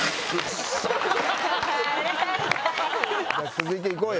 続いて行こうよ。